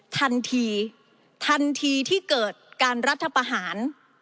ทันทีทันทีที่เกิดการรัฐประหาร